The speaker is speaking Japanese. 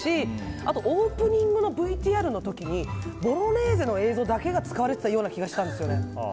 あとオープニングのＶＴＲの時にボロネーゼの映像だけが使われてた気がするんですよね。